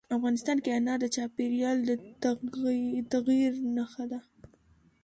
افغانستان کې انار د چاپېریال د تغیر نښه ده.